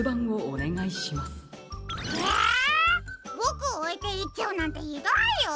ボクをおいていっちゃうなんてひどいよ！